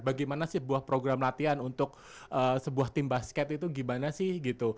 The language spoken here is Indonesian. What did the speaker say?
bagaimana sih sebuah program latihan untuk sebuah tim basket itu gimana sih gitu